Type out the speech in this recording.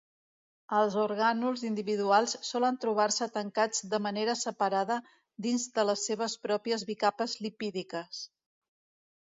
Els orgànuls individuals solen trobar-se tancats de manera separada dins de les seves pròpies bicapes lipídiques.